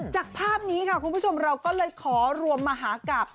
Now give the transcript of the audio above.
จากภาพนี้ค่ะคุณผู้ชมเราก็เลยขอรวมมหากับ